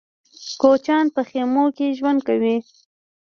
کوچيان په خيمو کې ژوند کوي.